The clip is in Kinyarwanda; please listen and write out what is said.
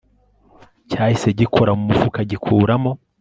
cyahise gikora mumufuka gikuramo